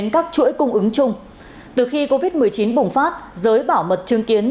cùng phát giới bảo mật chứng kiến